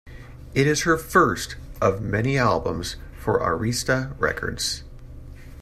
It is her first of many albums for Arista Records.